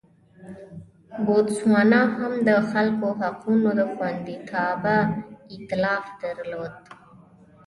بوتسوانا هم د خلکو حقونو خوندیتابه اېتلاف درلود.